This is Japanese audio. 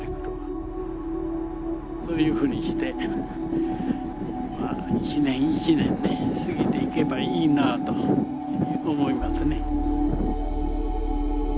そういうふうにして一年一年過ぎていけばいいなと思いますね。